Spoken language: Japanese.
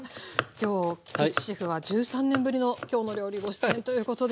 今日菊地シェフは１３年ぶりの「きょうの料理」ご出演ということで。